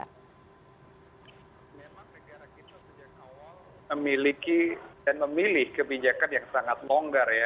memang negara kita sejak awal memiliki dan memilih kebijakan yang sangat longgar ya